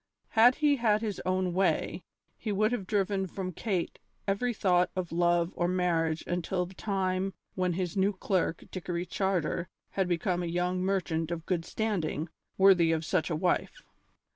Had he had his own way, he would have driven from Kate every thought of love or marriage until the time when his new clerk, Dickory Charter, had become a young merchant of good standing, worthy of such a wife.